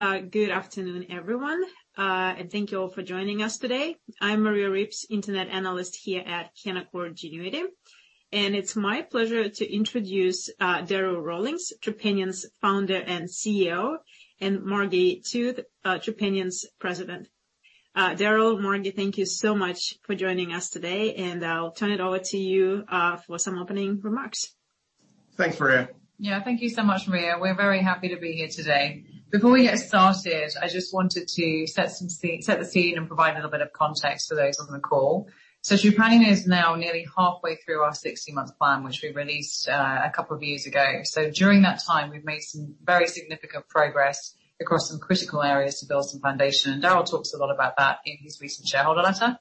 Good afternoon, everyone, and thank you all for joining us today. I'm Maria Reeves, Internet Analyst here at Canaccord Genuity, and it's my pleasure to introduce Darryl Rawlings, Trupanion's founder and CEO, and Margi Tooth, Trupanion's president. Darryl, Margi, thank you so much for joining us today, and I'll turn it over to you for some opening remarks. Thanks, Maria. Yeah, thank you so much, Maria. We're very happy to be here today. Before we get started, I just wanted to set the scene and provide a little bit of context for those on the call. So Trupanion, is now nearly halfway through our 60-month plan, which we released a couple of years ago. So during that time, we've made some very significant progress across some critical areas to build some foundation, and Darryl, talks a lot about that in his recent shareholder letter.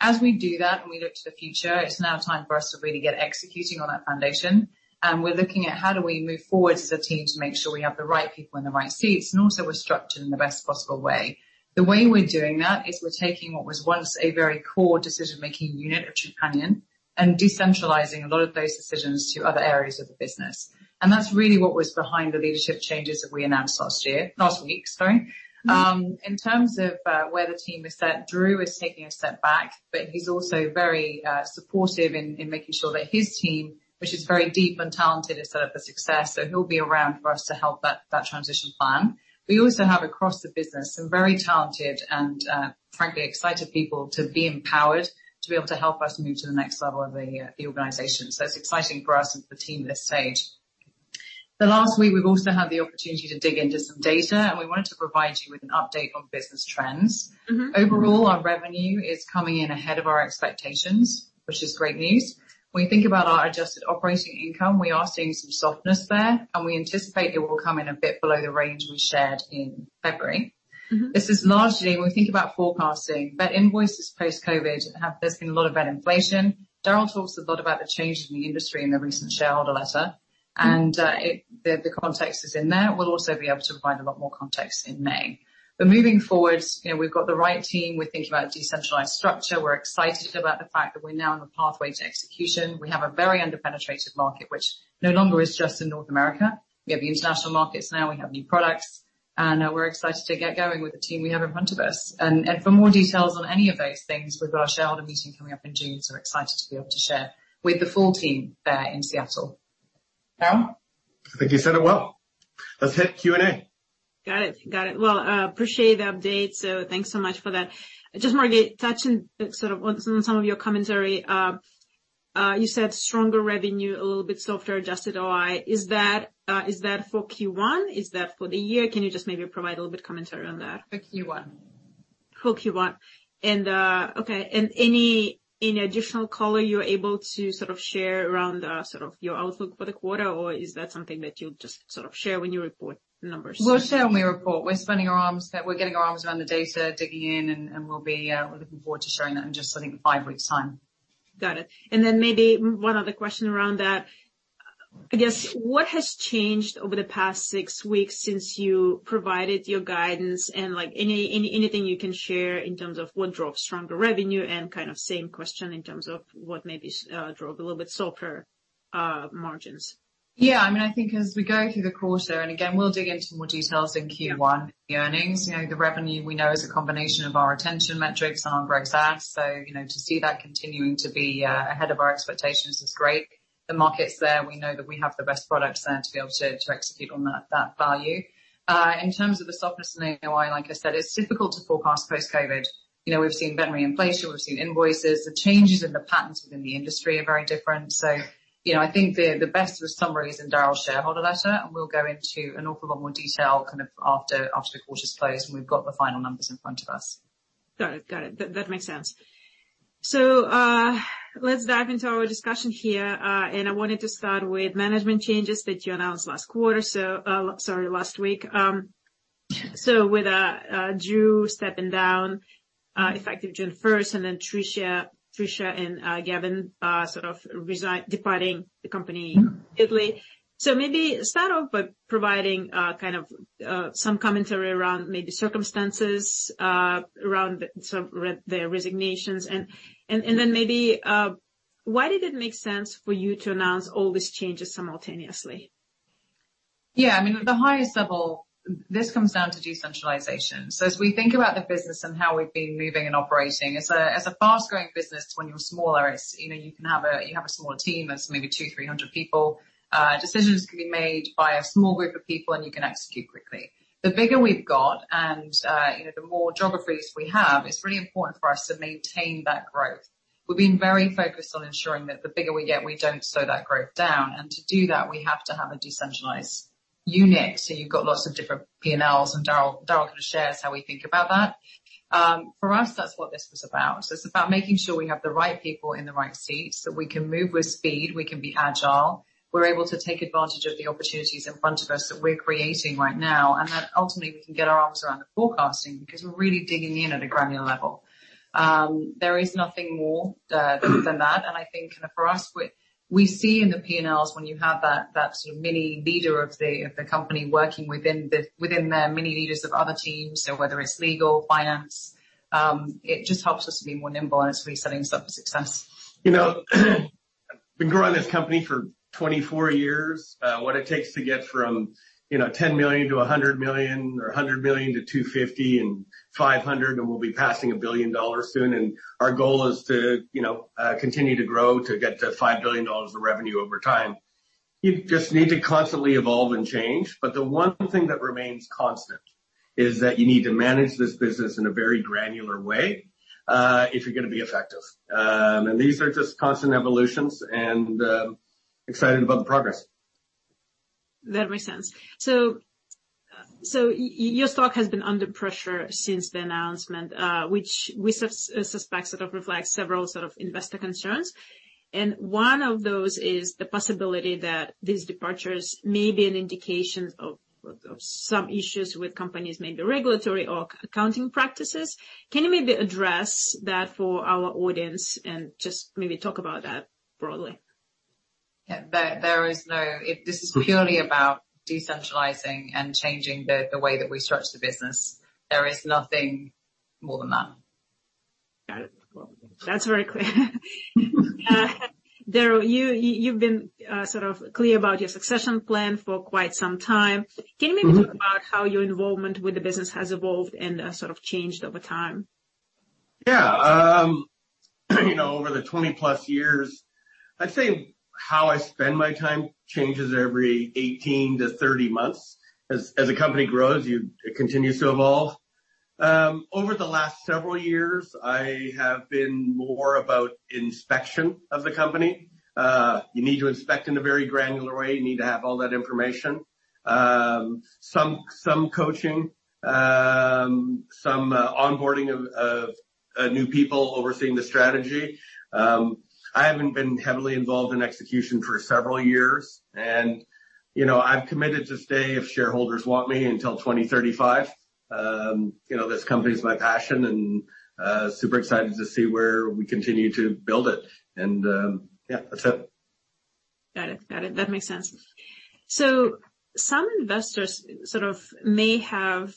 As we do that and we look to the future, it's now time for us to really get executing on that foundation, and we're looking at how do we move forward as a team to make sure we have the right people in the right seats and also we're structured in the best possible way. The way we're doing that is we're taking what was once a very core decision-making unit of Trupanion and decentralizing a lot of those decisions to other areas of the business, and that's really what was behind the leadership changes that we announced last week, sorry. In terms of where the team is set, Drew, is taking a step back, but he's also very supportive in making sure that his team, which is very deep and talented, is set up for success, so he'll be around for us to help that transition plan. We also have across the business some very talented and, frankly, excited people to be empowered to be able to help us move to the next level of the organization, so it's exciting for us as the team at this stage. The last week, we've also had the opportunity to dig into some data, and we wanted to provide you with an update on business trends. Overall, our revenue is coming in ahead of our expectations, which is great news. When we think about our adjusted operating income, we are seeing some softness there, and we anticipate it will come in a bit below the range we shared in February. This is largely, when we think about forecasting, vet invoices post-COVID, there's been a lot of vet inflation. Darryl, talks a lot about the changes in the industry in the recent shareholder letter, and the context is in there. We'll also be able to provide a lot more context in May, but moving forward, we've got the right team. We're thinking about decentralized structure. We're excited about the fact that we're now on the pathway to execution. We have a very underpenetrated market, which no longer is just in North America. We have the international markets now. We have new products, and we're excited to get going with the team we have in front of us. And for more details on any of those things, we've got our shareholder meeting coming up in June, so we're excited to be able to share with the full team there in Seattle. Darryl? I think you said it well. Let's hit Q&A. Got it. Got it. Well, appreciate the update. So thanks so much for that. Just Margi, touching sort of on some of your commentary, you said stronger revenue, a little bit softer Adjusted OI. Is that for Q1? Is that for the year? Can you just maybe provide a little bit of commentary on that? For Q1. For Q1, okay. Any additional color you're able to sort of share around sort of your outlook for the quarter, or is that something that you'll just sort of share when you report numbers? We'll share when we report. We're spending our time getting our arms around the data, digging in, and we'll be looking forward to showing that in just, I think, five weeks' time. Got it. And then maybe one other question around that. I guess, what has changed over the past six weeks since you provided your guidance and anything you can share in terms of what drove stronger revenue and kind of same question in terms of what maybe drove a little bit softer margins? Yeah, I mean, I think as we go through the quarter, and again, we'll dig into more details in Q1, the earnings. The revenue we know is a combination of our retention metrics and our growth stats. So to see that continuing to be ahead of our expectations is great. The market's there. We know that we have the best products there to be able to execute on that value. In terms of the softness in AOI, like I said, it's difficult to forecast post-COVID. We've seen vet inflation. We've seen invoices. The changes in the patterns within the industry are very different. So I think the best summary is in Darryl's shareholder letter, and we'll go into an awful lot more detail kind of after the quarter's closed when we've got the final numbers in front of us. Got it. Got it. That makes sense. So let's dive into our discussion here, and I wanted to start with management changes that you announced last quarter, sorry, last week. So with Drew, stepping down, effective June 1st, and then Tricia and Gavin, sort of departing the company immediately. So maybe start off by providing kind of some commentary around maybe circumstances around the resignations, and then maybe why did it make sense for you to announce all these changes simultaneously? Yeah, I mean, at the highest level, this comes down to decentralization. So as we think about the business and how we've been moving and operating, as a fast-growing business, when you're smaller, you can have a small team of maybe 200, 300 people. Decisions can be made by a small group of people, and you can execute quickly. The bigger we've got and the more geographies we have, it's really important for us to maintain that growth. We've been very focused on ensuring that the bigger we get, we don't slow that growth down, and to do that, we have to have a decentralized unit, so you've got lots of different P&Ls, and Darryl kind of shares how we think about that. For us, that's what this was about, so it's about making sure we have the right people in the right seats so we can move with speed. We can be agile. We're able to take advantage of the opportunities in front of us that we're creating right now, and that ultimately we can get our arms around the forecasting because we're really digging in at a granular level. There is nothing more than that, and I think for us, we see in the P&Ls when you have that sort of mini leader of the company working within their mini leaders of other teams, so whether it's legal, finance, it just helps us to be more nimble and actually setting us up for success. You know, I've been growing this company for 24 years. What it takes to get from $10 million to $100 million or $100 million to $250 million and $500 million, and we'll be passing $1 billion soon. And our goal is to continue to grow to get to $5 billion of revenue over time. You just need to constantly evolve and change, but the one thing that remains constant is that you need to manage this business in a very granular way if you're going to be effective. And these are just constant evolutions, and I'm excited about the progress. That makes sense. So your stock has been under pressure since the announcement, which we suspect sort of reflects several sort of investor concerns. And one of those is the possibility that these departures may be an indication of some issues with company's, maybe regulatory or accounting practices. Can you maybe address that for our audience and just maybe talk about that broadly? Yeah, there is no, this is purely about decentralizing and changing the way that we structure the business. There is nothing more than that. Got it. That's very clear. Darryl, you've been sort of clear about your succession plan for quite some time. Can you maybe talk about how your involvement with the business has evolved and sort of changed over time? Yeah. Over the 20-plus years, I'd say how I spend my time changes every 18-30 months. As a company grows, it continues to evolve. Over the last several years, I have been more about inspection of the company. You need to inspect in a very granular way. You need to have all that information. Some coaching, some onboarding of new people overseeing the strategy. I haven't been heavily involved in execution for several years, and I've committed to stay if shareholders want me until 2035. This company is my passion, and I'm super excited to see where we continue to build it. And yeah, that's it. Got it. Got it. That makes sense. So some investors sort of may have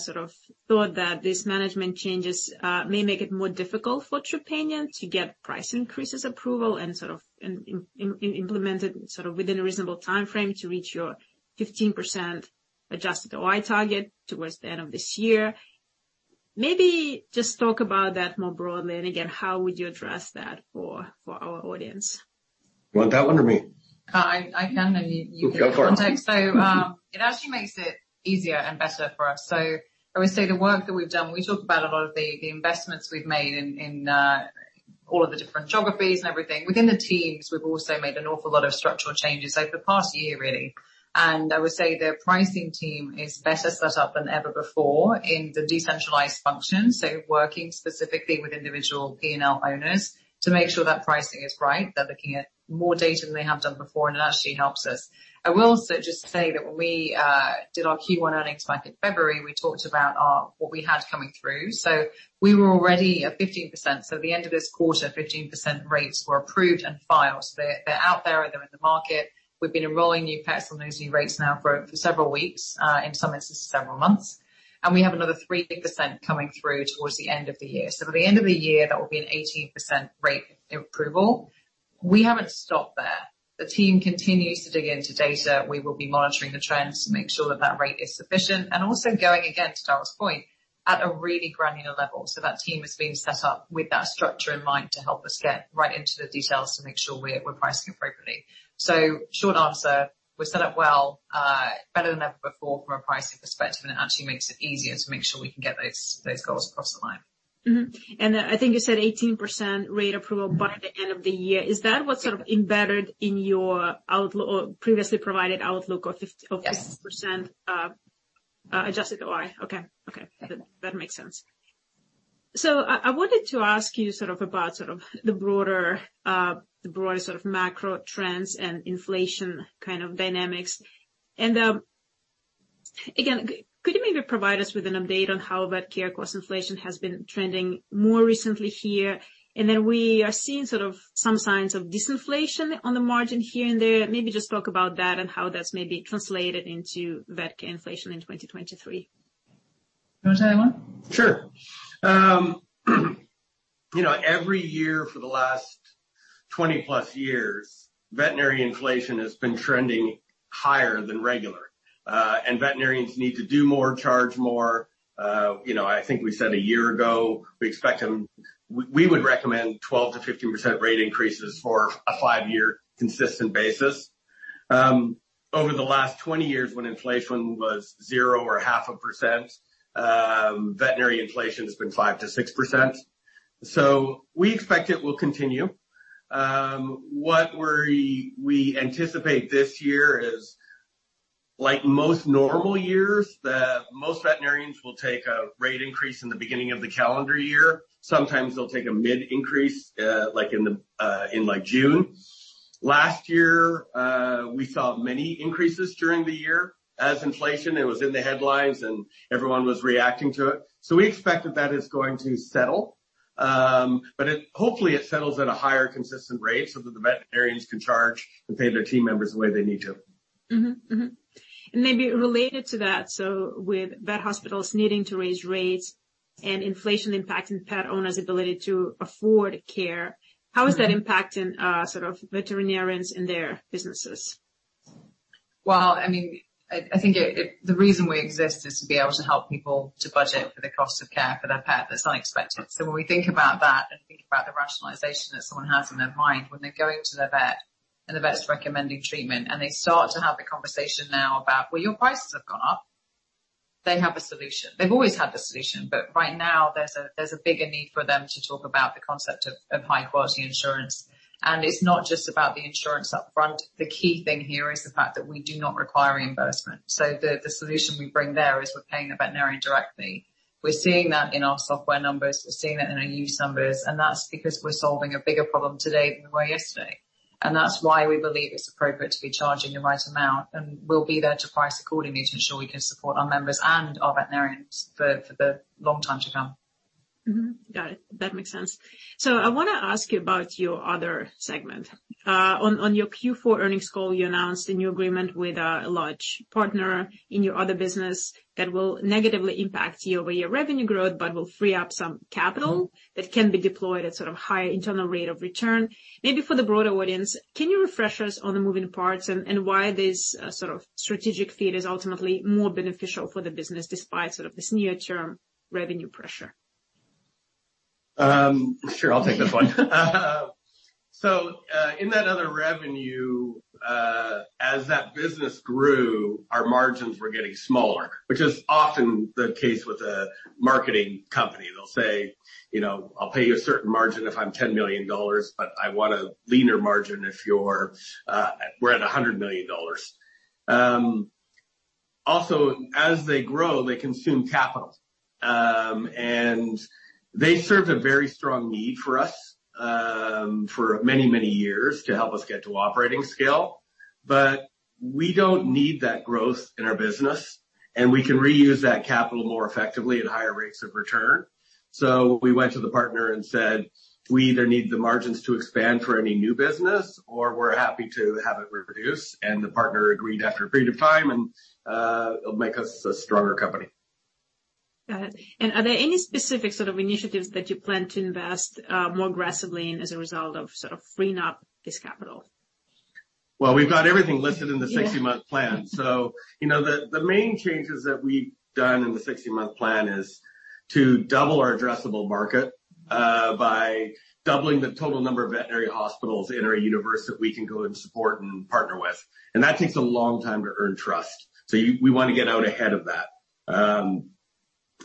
sort of thought that these management changes may make it more difficult for Trupanion, to get price increases approval and sort of implement it sort of within a reasonable timeframe to reach your 15%, Adjusted OI target, towards the end of this year. Maybe just talk about that more broadly. And again, how would you address that for our audience? Want that one or me? I can, and you can contact. Go for it. So it actually makes it easier and better for us. So I would say the work that we've done, we talked about a lot of the investments we've made in all of the different geographies and everything. Within the teams, we've also made an awful lot of structural changes over the past year, really. And I would say the pricing team is better set up than ever before in the decentralized function, so working specifically with individual P&L owners to make sure that pricing is right. They're looking at more data than they have done before, and it actually helps us. I will also just say that when we did our Q1 earnings back in February, we talked about what we had coming through. So we were already at 15%. So at the end of this quarter, 15% rates, were approved and filed. So they're out there. They're in the market. We've been enrolling new pets on those new rates now for several weeks, in some instances several months. And we have another 3%, coming through towards the end of the year. So by the end of the year, that will be an 18% rate approval. We haven't stopped there. The team continues to dig into data. We will be monitoring the trends to make sure that that rate is sufficient. And also going, again, to Darryl's point, at a really granular level. So that team has been set up with that structure in mind to help us get right into the details to make sure we're pricing appropriately. So short answer, we're set up well, better than ever before from a pricing perspective, and it actually makes it easier to make sure we can get those goals across the line. I think you said 18% rate, approval by the end of the year. Is that what's sort of embedded in your previously provided outlook of 15% Adjusted OI? Yes. Okay. That makes sense. I wanted to ask you sort of about the broader macro trends and inflation kind of dynamics. Again, could you maybe provide us with an update on how VetCare cost inflation has been trending more recently here? We are seeing sort of some signs of disinflation on the margin here and there. Maybe just talk about that and how that's maybe translated into VetCare inflation in 2023. Do you want to say that one? Sure. Every year for the last 20-plus years, veterinary inflation has been trending higher than regular. And veterinarians need to do more, charge more. I think we said a year ago, we expect them we would recommend 12%-15%, rate increases for a five-year consistent basis. Over the last 20 years, when inflation was 0% or 0.5%, veterinary inflation has been 5%-6%. So we expect it will continue. What we anticipate this year is, like most normal years, most veterinarians will take a rate increase in the beginning of the calendar year. Sometimes they'll take a mid increase in June. Last year, we saw many increases during the year as inflation was in the headlines and everyone was reacting to it. So we expect that that is going to settle, but hopefully it settles at a higher consistent rate so that the veterinarians can charge and pay their team members the way they need to. And maybe related to that, so with vet hospitals needing to raise rates and inflation impacting pet owners' ability to afford care, how is that impacting sort of veterinarians and their businesses? Well, I mean, I think the reason we exist is to be able to help people to budget for the cost of care for their pet. That's unexpected. So when we think about that and think about the rationalization that someone has in their mind when they're going to their vet and the vet's recommending treatment, and they start to have the conversation now about, "Well, your prices have gone up," they have a solution. They've always had the solution, but right now there's a bigger need for them to talk about the concept of high-quality insurance. And it's not just about the insurance upfront. The key thing here is the fact that we do not require reimbursement. So the solution we bring there is we're paying the veterinarian directly. We're seeing that in our software numbers. We're seeing that in our use numbers, and that's because we're solving a bigger problem today than we were yesterday. And that's why we believe it's appropriate to be charging the right amount, and we'll be there to price accordingly to ensure we can support our members and our veterinarians for the long time to come. Got it. That makes sense. So I want to ask you about your other segment. On your Q4 earnings call, you announced a new agreement with a large partner in your other business that will negatively impact your revenue growth, but will free up some capital that can be deployed at sort of higher internal rate of return. Maybe for the broader audience, can you refresh us on the moving parts and why this sort of strategic shift is ultimately more beneficial for the business despite sort of this near-term revenue pressure? Sure. I'll take this one. So in that other revenue, as that business grew, our margins were getting smaller, which is often the case with a marketing company. They'll say, "I'll pay you a certain margin if I'm $10 million, but I want a leaner margin if we're at $100 million." Also, as they grow, they consume capital, and they served a very strong need for us for many, many years to help us get to operating scale. But we don't need that growth in our business, and we can reuse that capital more effectively at higher rates of return. So we went to the partner and said, "We either need the margins to expand for any new business, or we're happy to have it reduce." And the partner agreed after a period of time, and it'll make us a stronger company. Got it. And are there any specific sort of initiatives that you plan to invest more aggressively in as a result of sort of freeing up this capital? We've got everything listed in the 60-month plan. The main changes that we've done in the 60-month plan is to double our addressable market by doubling the total number of veterinary hospitals in our universe that we can go and support and partner with. That takes a long time to earn trust. We want to get out ahead of that.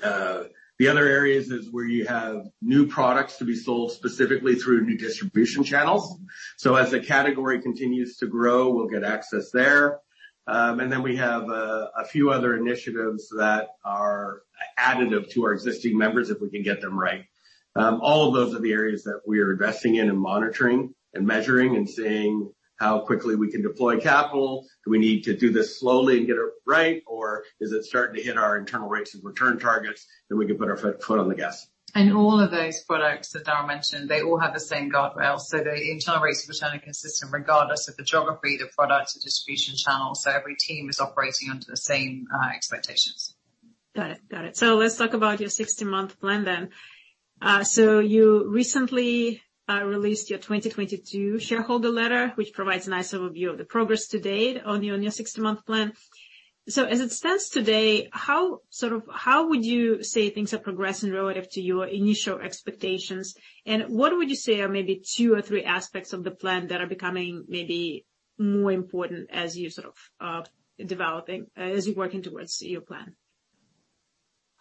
The other areas is where you have new products to be sold specifically through new distribution channels. As the category continues to grow, we'll get access there. Then we have a few other initiatives that are additive to our existing members if we can get them right. All of those are the areas that we are investing in and monitoring and measuring and seeing how quickly we can deploy capital. Do we need to do this slowly and get it right, or is it starting to hit our internal rates of return targets? Then we can put our foot on the gas. And all of those products that Darryl mentioned, they all have the same guardrails. So the internal rates of return are consistent regardless of the geography, the product, the distribution channel. So every team is operating under the same expectations. Got it. Got it. So let's talk about your 60-month plan then. So you recently released your 2022 shareholder letter, which provides a nice overview of the progress to date on your 60-month plan. So as it stands today, how would you say things are progressing relative to your initial expectations? And what would you say are maybe two or three aspects of the plan that are becoming maybe more important as you're sort of developing, as you're working towards your plan?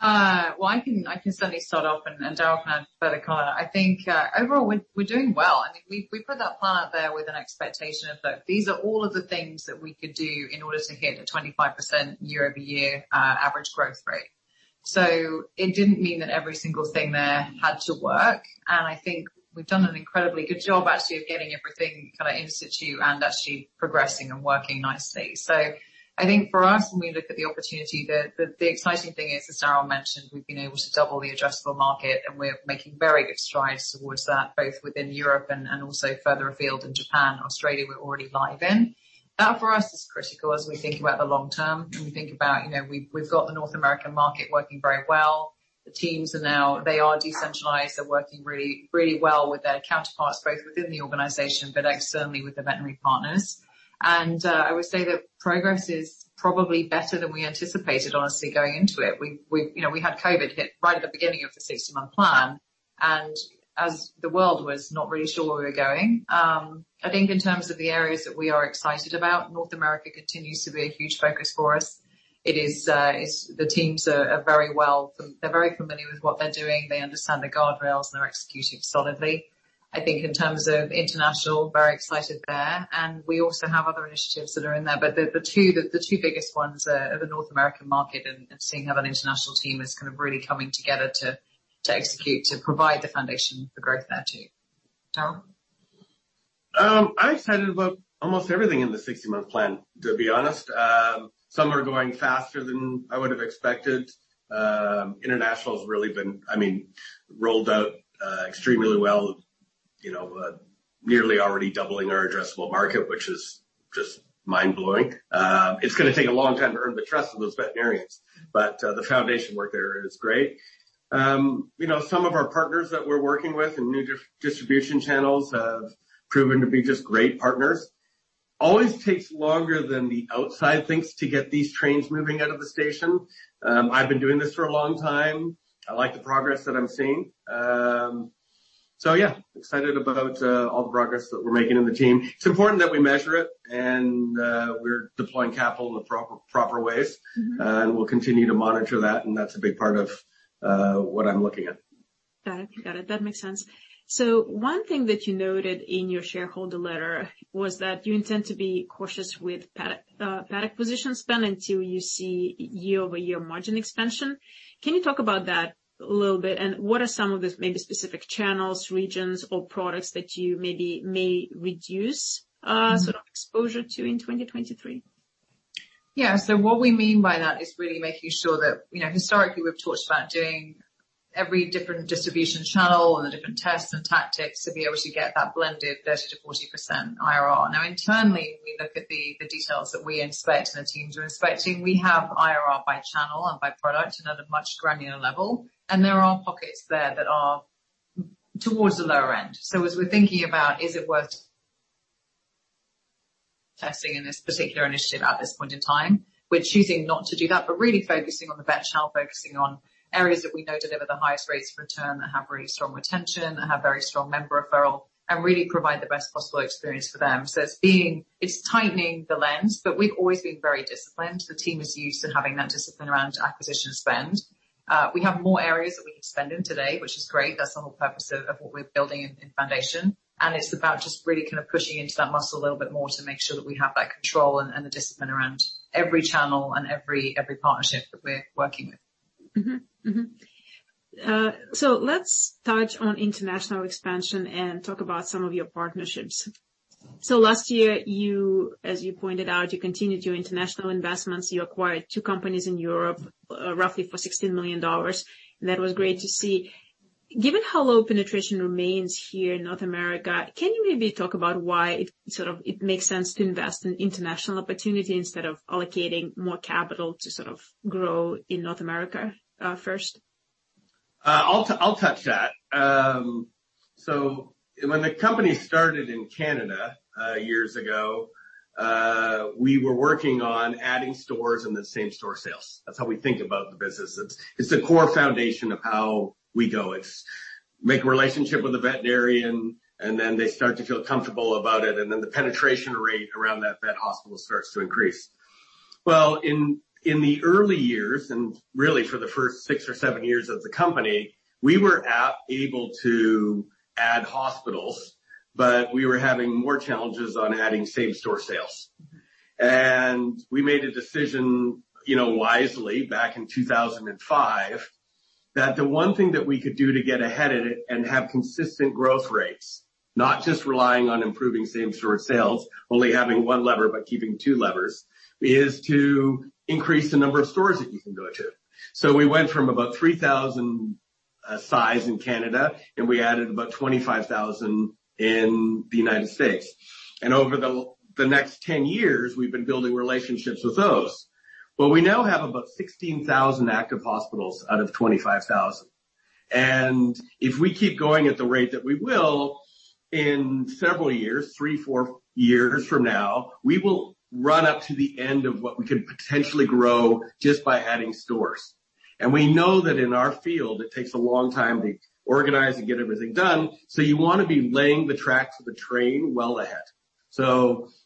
I can certainly start off, and Darryl can add further color. I think overall, we're doing well. I mean, we put that plan out there with an expectation of, "Look, these are all of the things that we could do in order to hit a 25%, year-over-year average growth rate." So it didn't mean that every single thing there had to work. And I think we've done an incredibly good job actually of getting everything kind of in situ and actually progressing and working nicely. So I think for us, when we look at the opportunity, the exciting thing is, as Darryl mentioned, we've been able to double the addressable market, and we're making very good strides towards that, both within Europe and also further afield in Japan, Australia, we're already live in that for us is critical as we think about the long term. When we think about, we've got the North America market working very well. The teams are now, they are decentralized. They're working really, really well with their counterparts, both within the organization, but externally with the veterinary partners. And I would say that progress is probably better than we anticipated, honestly, going into it. We had COVID hit right at the beginning of the 60-month plan, and as the world was not really sure where we were going. I think in terms of the areas that we are excited about, North America continues to be a huge focus for us. The teams are very well, they're very familiar with what they're doing. They understand the guardrails, and they're executing solidly. I think in terms of international, very excited there. We also have other initiatives that are in there, but the two biggest ones are the North American market and seeing how that international team is kind of really coming together to execute to provide the foundation for growth there too. Darryl? I'm excited about almost everything in the 60-month plan, to be honest. Some are going faster than I would have expected. International has really been, I mean, rolled out extremely well, nearly already doubling our addressable market, which is just mind-blowing. It's going to take a long time to earn the trust of those veterinarians, but the foundation work there is great. Some of our partners that we're working with in new distribution channels have proven to be just great partners. Always takes longer than the outside thinks to get these trains moving out of the station. I've been doing this for a long time. I like the progress that I'm seeing, so yeah, excited about all the progress that we're making in the team. It's important that we measure it, and we're deploying capital in the proper ways, and we'll continue to monitor that, and that's a big part of what I'm looking at. Got it. Got it. That makes sense. So one thing that you noted in your shareholder letter was that you intend to be cautious with pet acquisition spend until you see year-over-year margin expansion. Can you talk about that a little bit? And what are some of the maybe specific channels, regions, or products that you maybe may reduce sort of exposure to in 2023? Yeah. So what we mean by that is really making sure that historically, we've talked about doing every different distribution channel and the different tests and tactics to be able to get that blended 30%-40% IRR. Now, internally, we look at the details that we inspect and the teams are inspecting. We have IRR by channel and by product and at a much granular level. And there are pockets there that are towards the lower end. So as we're thinking about, is it worth testing in this particular initiative at this point in time? We're choosing not to do that, but really focusing on the vet channel, focusing on areas that we know deliver the highest rates of return that have really strong retention, that have very strong member referral, and really provide the best possible experience for them. So it's tightening the lens, but we've always been very disciplined. The team is used to having that discipline around acquisition spend. We have more areas that we can spend in today, which is great. That's the whole purpose of what we're building in foundation. And it's about just really kind of pushing into that muscle a little bit more to make sure that we have that control and the discipline around every channel and every partnership that we're working with. So let's touch on international expansion and talk about some of your partnerships. So last year, as you pointed out, you continued your international investments. You acquired two companies in Europe roughly for $16 million. That was great to see. Given how low penetration remains here in North America, can you maybe talk about why it sort of makes sense to invest in international opportunity instead of allocating more capital to sort of grow in North America first? I'll touch that. So when the company started in Canada years ago, we were working on adding stores and the same-store sales. That's how we think about the business. It's the core foundation of how we go. It's make a relationship with a veterinarian, and then they start to feel comfortable about it, and then the penetration rate around that vet hospital starts to increase. In the early years, and really for the first six or seven years of the company, we were able to add hospitals, but we were having more challenges on adding same-store sales. And we made a decision wisely back in 2005 that the one thing that we could do to get ahead of it and have consistent growth rates, not just relying on improving same-store sales, only having one lever but keeping two levers, is to increase the number of stores that you can go to. So we went from about 3,000 sites in Canada, and we added about 25,000 in the United States. And over the next 10 years, we've been building relationships with those. Well, we now have about 16,000 active hospitals out of 25,000. And if we keep going at the rate that we will, in several years, three, four years from now, we will run up to the end of what we could potentially grow just by adding stores. And we know that in our field, it takes a long time to organize and get everything done. You want to be laying the track for the train well ahead.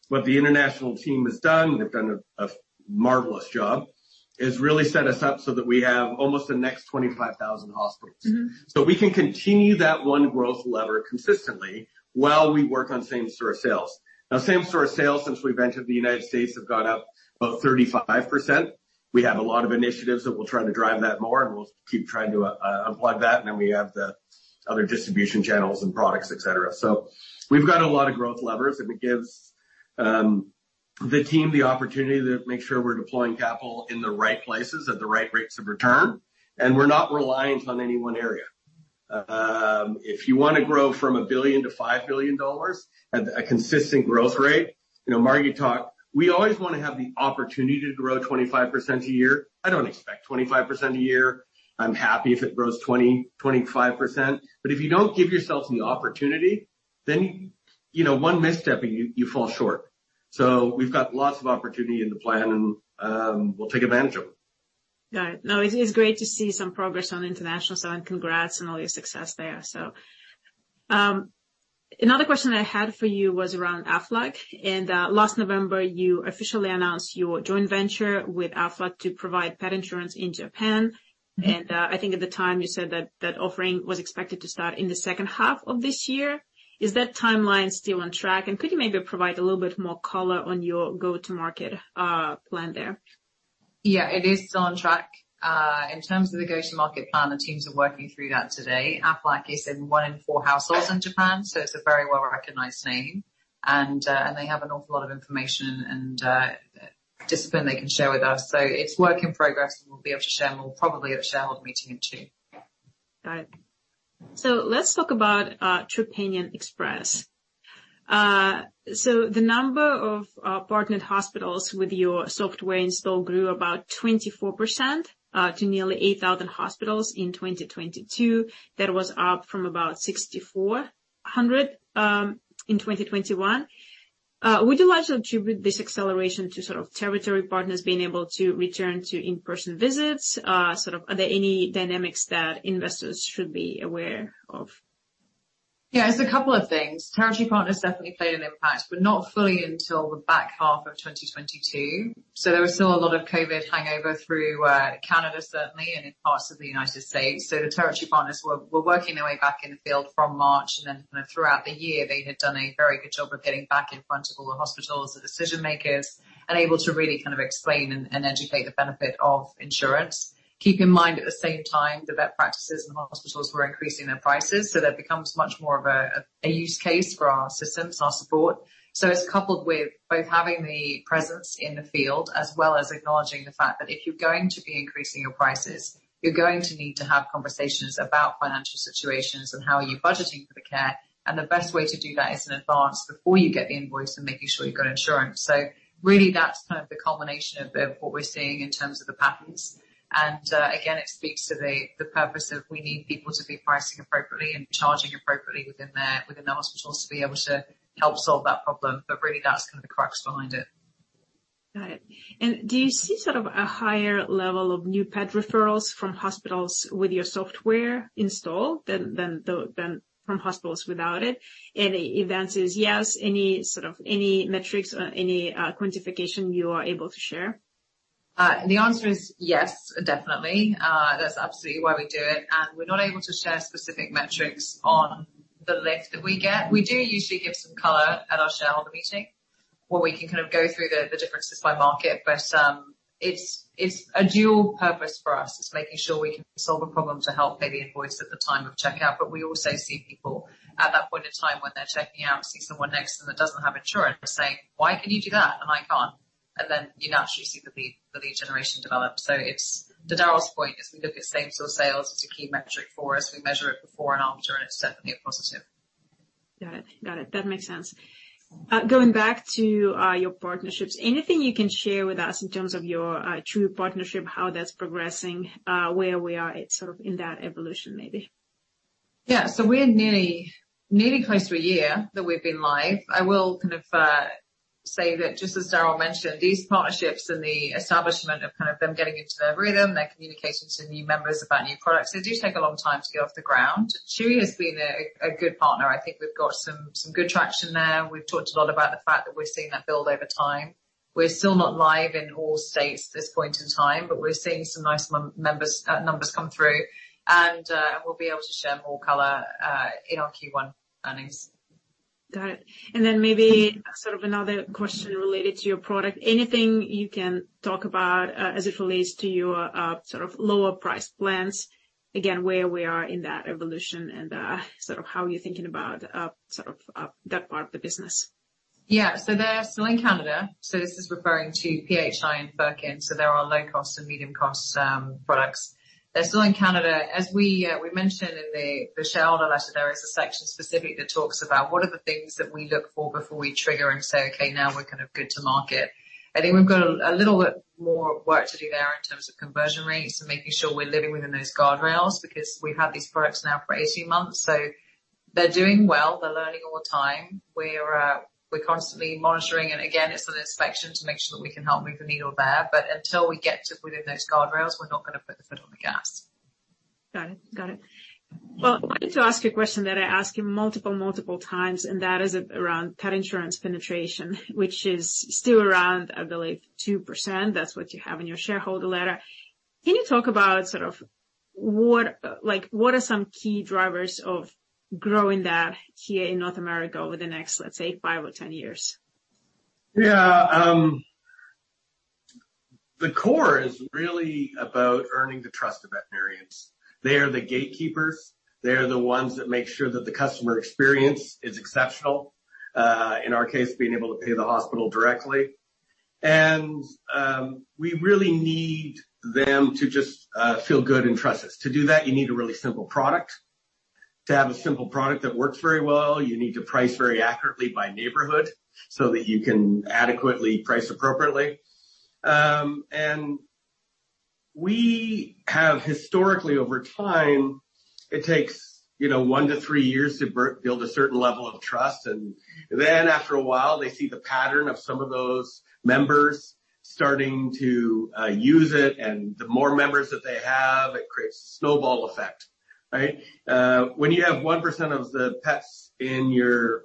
What the international team has done, and they've done a marvelous job, is really set us up so that we have almost the next 25,000 hospitals. We can continue that one growth lever consistently while we work on same-store sales. Now, same-store sales since we've entered the United States have gone up about 35%. We have a lot of initiatives that we'll try to drive that more, and we'll keep trying to unplug that. Then we have the other distribution channels and products, etc. We've got a lot of growth levers, and it gives the team the opportunity to make sure we're deploying capital in the right places at the right rates of return, and we're not reliant on any one area. If you want to grow from $1 billion to $5 billion, at a consistent growth rate, Margi talked, we always want to have the opportunity to grow 25% a year. I don't expect 25% a year. I'm happy if it grows 25%. But if you don't give yourself the opportunity, then one misstep and you fall short. So we've got lots of opportunity in the plan, and we'll take advantage of them. Got it. No, it is great to see some progress on international, so congrats on all your success there. So another question I had for you was around Aflac. And last November, you officially announced your joint venture with Aflac to provide pet insurance in Japan. And I think at the time you said that that offering was expected to start in the second half of this year. Is that timeline still on track? And could you maybe provide a little bit more color on your go-to-market plan there? Yeah, it is still on track. In terms of the go-to-market plan, the teams are working through that today. Aflac is in one in four households in Japan, so it's a very well-recognized name. And they have an awful lot of information and discipline they can share with us. So it's work in progress, and we'll be able to share more probably at a shareholder meeting in June. Got it. So let's talk about Trupanion Express. So the number of partnered hospitals with your software installed grew about 24%, to nearly 8,000 hospitals in 2022. That was up from about 6,400 in 2021. Would you like to attribute this acceleration to sort of Territory Partners being able to return to in-person visits? Sort of are there any dynamics that investors should be aware of? Yeah, it's a couple of things. Territory Partners definitely played an impact, but not fully until the back half of 2022. So there was still a lot of COVID hangover through Canada, certainly, and in parts of the United States. So the Territory Partners were working their way back in the field from March, and then throughout the year, they had done a very good job of getting back in front of all the hospitals and decision-makers and able to really kind of explain and educate the benefit of insurance. Keep in mind at the same time that vet practices and hospitals were increasing their prices, so that becomes much more of a use case for our systems, our support. So it's coupled with both having the presence in the field as well as acknowledging the fact that if you're going to be increasing your prices, you're going to need to have conversations about financial situations and how are you budgeting for the care. And the best way to do that is in advance before you get the invoice and making sure you've got insurance. So really, that's kind of the culmination of what we're seeing in terms of the patterns. And again, it speaks to the purpose of we need people to be pricing appropriately and charging appropriately within the hospitals to be able to help solve that problem. But really, that's kind of the crux behind it. Got it. And do you see sort of a higher level of new pet referrals from hospitals with your software installed than from hospitals without it? And if the answer is yes, any sort of metrics or any quantification you are able to share? The answer is yes, definitely. That's absolutely why we do it and we're not able to share specific metrics on the lift that we get. We do usually give some color at our shareholder meeting where we can kind of go through the differences by market, but it's a dual purpose for us. It's making sure we can solve a problem to help pay the invoice at the time of checkout. But we also see people at that point in time when they're checking out, see someone next to them that doesn't have insurance saying, "Why can you do that and I can't?" And then you naturally see the lead generation develop. So to Darryl's point, as we look at same-store sales, it's a key metric for us. We measure it before and after, and it's definitely a positive. Got it. Got it. That makes sense. Going back to your partnerships, anything you can share with us in terms of your true partnership, how that's progressing, where we are sort of in that evolution maybe? Yeah. So we're nearly close to a year that we've been live. I will kind of say that just as Darryl mentioned, these partnerships and the establishment of kind of them getting into their rhythm, their communication to new members about new products, they do take a long time to get off the ground. Chewy has been a good partner. I think we've got some good traction there. We've talked a lot about the fact that we're seeing that build over time. We're still not live in all states at this point in time, but we're seeing some nice numbers come through, and we'll be able to share more color in our Q1 earnings. Got it, and then maybe sort of another question related to your product. Anything you can talk about as it relates to your sort of lower-priced plans? Again, where we are in that evolution and sort of how you're thinking about sort of that part of the business? Yeah. So they're still in Canada. So this is referring to PHI and Furkin. So there are low-cost and medium-cost products. They're still in Canada. As we mentioned in the shareholder letter, there is a section specifically that talks about what are the things that we look for before we trigger and say, "Okay, now we're kind of good to market." I think we've got a little bit more work to do there in terms of conversion rates and making sure we're living within those guardrails because we've had these products now for 18 months. So they're doing well. They're learning all the time. We're constantly monitoring. And again, it's an inspection to make sure that we can help move the needle there. But until we get to within those guardrails, we're not going to put the foot on the gas. Got it. Got it. Well, I wanted to ask you a question that I asked you multiple, multiple times, and that is around pet insurance penetration, which is still around, I believe, 2%. That's what you have in your shareholder letter. Can you talk about sort of what are some key drivers of growing that here in North America over the next, let's say, five or 10 years? Yeah. The core is really about earning the trust of veterinarians. They are the gatekeepers. They are the ones that make sure that the customer experience is exceptional, in our case, being able to pay the hospital directly. And we really need them to just feel good and trust us. To do that, you need a really simple product. To have a simple product that works very well, you need to price very accurately by neighborhood so that you can adequately price appropriately. And we have historically, over time, it takes one to three years to build a certain level of trust. And then after a while, they see the pattern of some of those members starting to use it. And the more members that they have, it creates a snowball effect, right? When you have 1% of the pets in your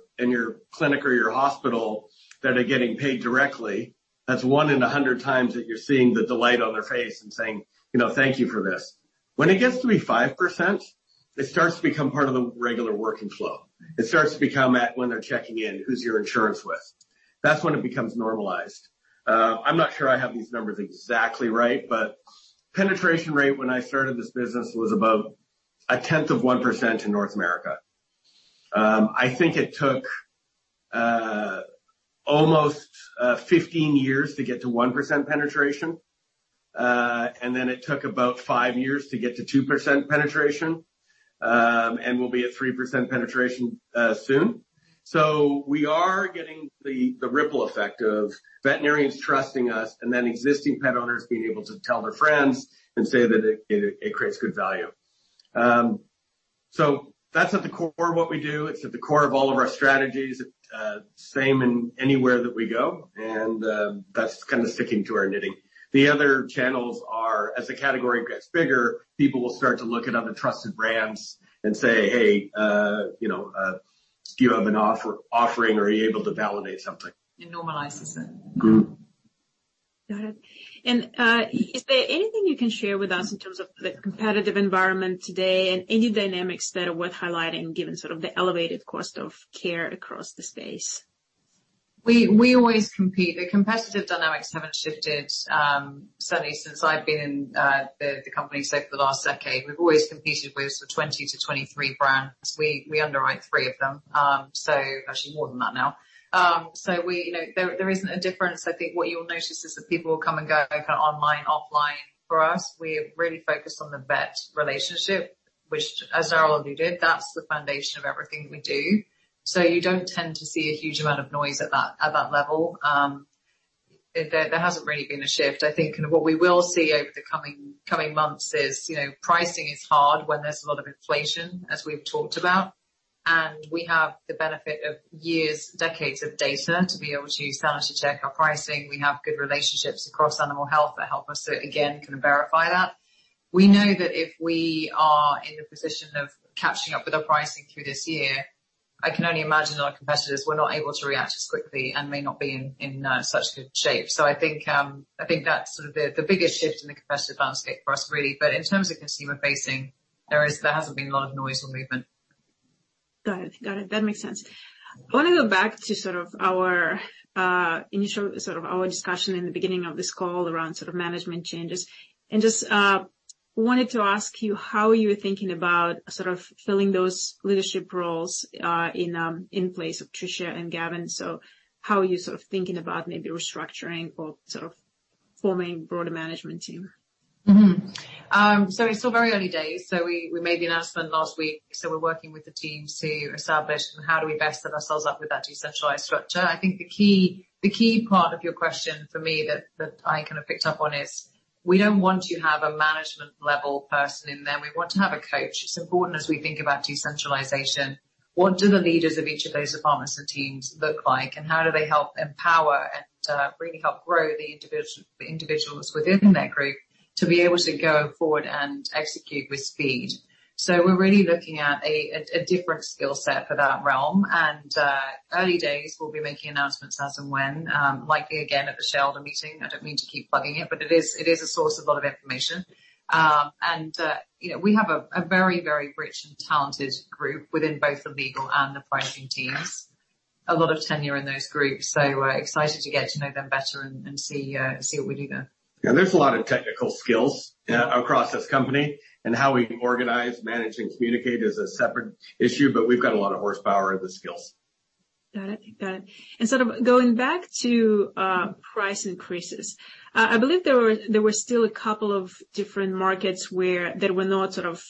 clinic or your hospital that are getting paid directly, that's one in a hundred times that you're seeing the delight on their face and saying, "Thank you for this." When it gets to be 5%, it starts to become part of the regular working flow. It starts to become when they're checking in, "Who's your insurance with?" That's when it becomes normalized. I'm not sure I have these numbers exactly right, but penetration rate when I started this business was about a tenth of 1% in North America. I think it took almost 15 years to get to 1% penetration. And then it took about five years to get to 2% penetration. And we'll be at 3% penetration soon. So we are getting the ripple effect of veterinarians trusting us and then existing pet owners being able to tell their friends and say that it creates good value. So that's at the core of what we do. It's at the core of all of our strategies, same in anywhere that we go. And that's kind of sticking to our knitting. The other channels are, as the category gets bigger, people will start to look at other trusted brands and say, "Hey, do you have an offering? Are you able to validate something? It normalizes it. Got it. And is there anything you can share with us in terms of the competitive environment today and any dynamics that are worth highlighting given sort of the elevated cost of care across the space? We always compete. The competitive dynamics haven't shifted certainly since I've been in the company, say, for the last decade. We've always competed with sort of 20-23 brands. We underwrite three of them. So actually more than that now. So there isn't a difference. I think what you'll notice is that people will come and go kind of online, offline for us. We are really focused on the vet relationship, which, as Darryl alluded, that's the foundation of everything that we do. So you don't tend to see a huge amount of noise at that level. There hasn't really been a shift. I think kind of what we will see over the coming months is pricing is hard when there's a lot of inflation, as we've talked about, and we have the benefit of years, decades of data to be able to sanity check our pricing. We have good relationships across animal health that help us to, again, kind of verify that. We know that if we are in the position of catching up with our pricing through this year, I can only imagine our competitors were not able to react as quickly and may not be in such good shape. So I think that's sort of the biggest shift in the competitive landscape for us, really. But in terms of consumer-facing, there hasn't been a lot of noise or movement. Got it. Got it. That makes sense. I want to go back to sort of our initial discussion in the beginning of this call around sort of management changes, and just wanted to ask you how you're thinking about sort of filling those leadership roles in place of Tricia and Gavin, so how are you sort of thinking about maybe restructuring or sort of forming a broader management team? So it's still very early days. So we made the announcement last week. So we're working with the teams to establish how do we best set ourselves up with that decentralized structure? I think the key part of your question for me that I kind of picked up on is we don't want to have a management-level person in there. We want to have a coach. It's important as we think about decentralization. What do the leaders of each of those departments and teams look like? And how do they help empower and really help grow the individuals within their group to be able to go forward and execute with speed? So we're really looking at a different skill set for that realm. And early days, we'll be making announcements as and when, likely again at the shareholder meeting. I don't mean to keep bugging it, but it is a source of a lot of information. And we have a very, very rich and talented group within both the legal and the pricing teams, a lot of tenure in those groups. So excited to get to know them better and see what we do there. Yeah. There's a lot of technical skills across this company. And how we organize, manage, and communicate is a separate issue, but we've got a lot of horsepower in the skills. Got it. Got it, and sort of going back to price increases, I believe there were still a couple of different markets that were not sort of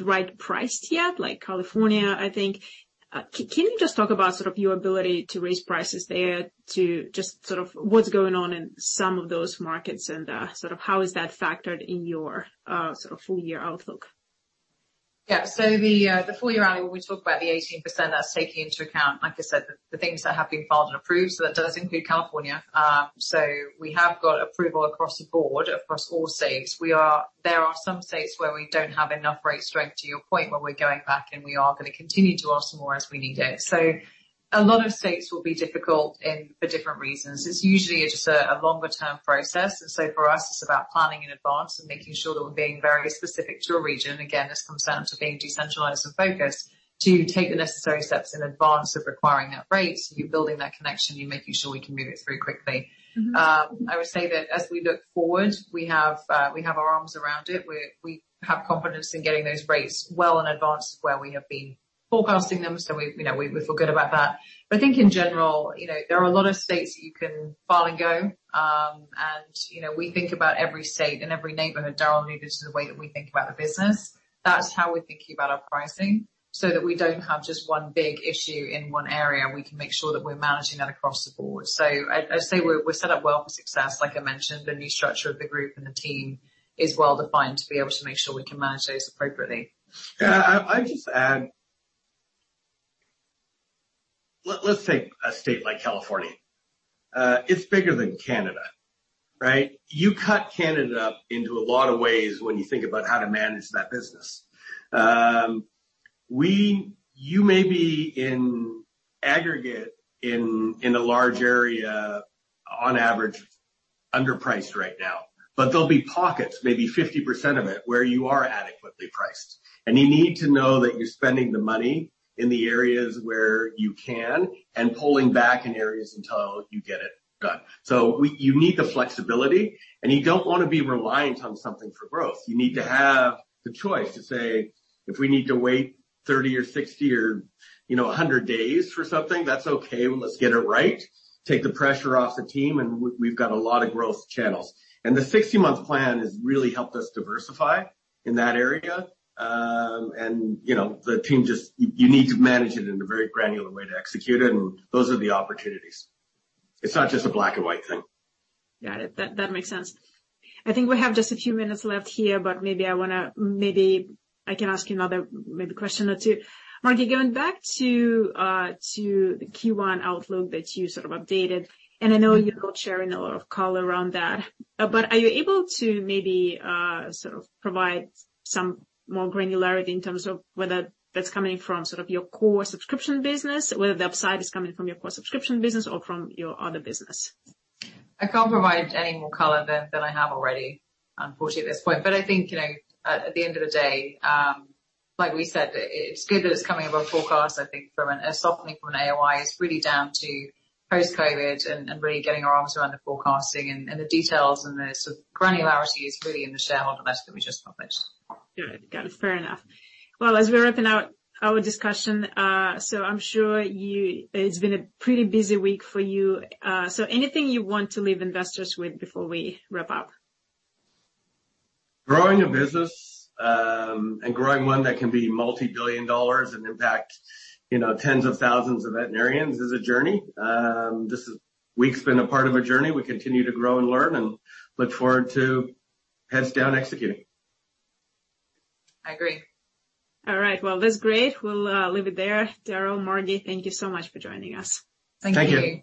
right-priced yet, like California, I think. Can you just talk about sort of your ability to raise prices there to just sort of what's going on in some of those markets and sort of how is that factored in your sort of full-year outlook? Yeah. So the full-year outlook, we talked about the 18% that's taken into account, like I said, the things that have been filed and approved. So that does include California. So we have got approval across the board, across all states. There are some states where we don't have enough rate strength to your point where we're going back and we are going to continue to ask more as we need it. So a lot of states will be difficult for different reasons. It's usually just a longer-term process. And so for us, it's about planning in advance and making sure that we're being very specific to a region. Again, this comes down to being decentralized and focused to take the necessary steps in advance of requiring that rate. So you're building that connection. You're making sure we can move it through quickly. I would say that as we look forward, we have our arms around it. We have confidence in getting those rates well in advance of where we have been forecasting them. So we feel good about that. But I think in general, there are a lot of states that you can file and go. And we think about every state and every neighborhood. Darryl alluded to the way that we think about the business. That's how we're thinking about our pricing so that we don't have just one big issue in one area. We can make sure that we're managing that across the board. So I'd say we're set up well for success. Like I mentioned, the new structure of the group and the team is well defined to be able to make sure we can manage those appropriately. Yeah. I'd just add, let's take a state like California. It's bigger than Canada, right? You cut Canada up into a lot of ways when you think about how to manage that business. You may be in aggregate in a large area, on average, underpriced right now. But there'll be pockets, maybe 50% of it, where you are adequately priced. And you need to know that you're spending the money in the areas where you can and pulling back in areas until you get it done. So you need the flexibility. And you don't want to be reliant on something for growth. You need to have the choice to say, "If we need to wait 30 or 60 or 100 days for something, that's okay. Let's get it right. Take the pressure off the team, and we've got a lot of growth channels." And the 60-month plan has really helped us diversify in that area. And the team just, you need to manage it in a very granular way to execute it. And those are the opportunities. It's not just a black-and-white thing. Got it. That makes sense. I think we have just a few minutes left here, but maybe I can ask you another question or two. Margi, going back to the Q1 outlook that you sort of updated, and I know you're not sharing a lot of color around that, but are you able to maybe sort of provide some more granularity in terms of whether that's coming from sort of your core subscription business, whether the upside is coming from your core subscription business or from your other business? I can't provide any more color than I have already, unfortunately, at this point. But I think at the end of the day, like we said, it's good that it's coming above forecast. I think a softening from an AOI is really down to post-COVID and really getting our arms around the forecasting and the details and the sort of granularity is really in the shareholder letter that we just published. Got it. Got it. Fair enough. Well, as we're wrapping up our discussion, so I'm sure it's been a pretty busy week for you. So anything you want to leave investors with before we wrap up? Growing a business and growing one that can be multi-billion dollars and impact tens of thousands of veterinarians is a journey. This week's been a part of a journey. We continue to grow and learn and look forward to heads down executing. I agree. All right. Well, that's great. We'll leave it there. Darryl and Margi, thank you so much for joining us. Thank you. Thank you.